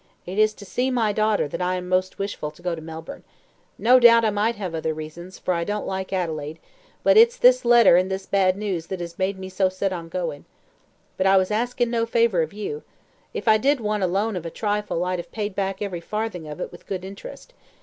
It is to see my daughter that I am most wishful to go to Melbourne. No doubt I might have other reasons, for I don't like Adelaide; but it's this letter and this bad news that has made me so set on going. But I was asking no favour of you. If I did want a loan of a trifle, I'd have paid back every farthing of it with good interest.